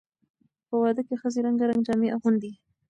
په واده کې ښځې رنګارنګ جامې اغوندي.